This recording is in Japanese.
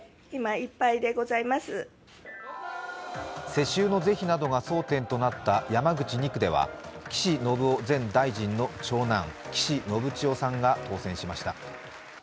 世襲の是非などが争点となった山口２区では岸信夫前大臣の長男、岸信千世さんが当選しました。